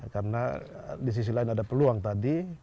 karena di sisi lain ada peluang tadi